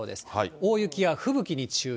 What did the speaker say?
大雪や吹雪に注意。